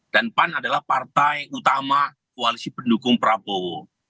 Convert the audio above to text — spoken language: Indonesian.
dan pan adalah partai utama koalisi pendukung prabowo